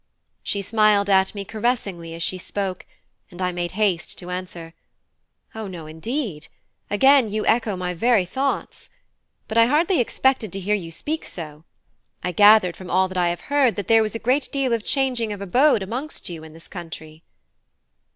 She smiled at me caressingly as she spoke, and I made haste to answer: "O, no, indeed; again you echo my very thoughts. But I hardly expected to hear you speak so. I gathered from all I have heard that there was a great deal of changing of abode amongst you in this country."